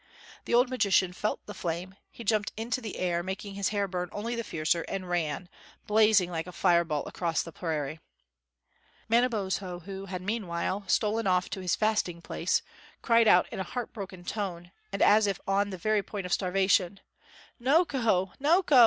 The old magician felt the flame; he jumped out into the air, making his hair burn only the fiercer, and ran, blazing like a fire ball, across the prairie. Manabozho who had, meanwhile, stolen off to his fasting place, cried out in a heart broken tone and as if on the very point of starvation, "Noko! Noko!